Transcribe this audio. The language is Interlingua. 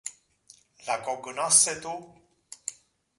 La cognosce tu?